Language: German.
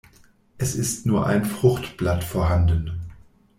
Es ist nur ein Fruchtblatt vorhanden.